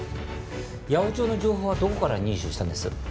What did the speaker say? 八百長の情報はどこから入手したんです？